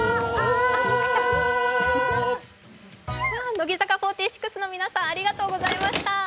乃木坂４６の皆さんありがとうございました。